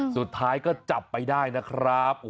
สุดท้ายก็จับไปได้นะครับ